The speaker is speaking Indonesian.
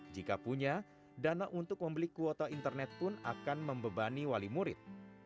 jika punya dana untuk membeli kuota internet pun akan membebani wali murid